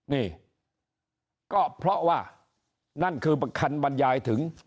นี่ก็เพราะว่านั่นคือคันบรรยายถึง